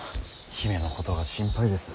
姫のことが心配です。